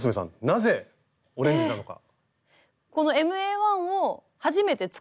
なぜオレンジなのか？